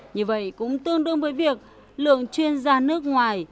như vậy cũng tương đương với việc lượng chuyên gia nước ngoài